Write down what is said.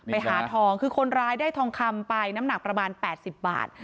ไปหาทองคือคนร้ายได้ทองคำไปน้ำหนักประมาณ๘๐บาท